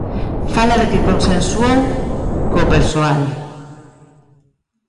Fala de que consensuou co persoal.